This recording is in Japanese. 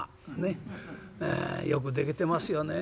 よく出来てますよね。